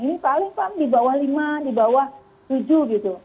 ini paling kan di bawah lima di bawah tujuh gitu